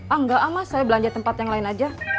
enggak ah mas saya belanja tempat yang lain aja